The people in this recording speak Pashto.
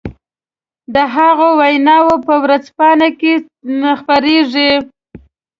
د هغو ويناوې په ورځپانو کې خپرېږي.